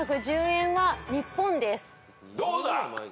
どうだ？